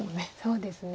そうですね。